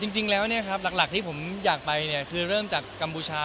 อ่าจริงแล้วเนี่ยครับหลักที่ผมอยากไปเนี่ยคือเริ่มจากกัมบูชา